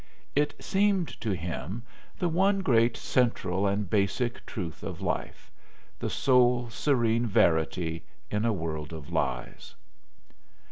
It seemed to him the one great central and basic truth of life the sole serene verity in a world of lies.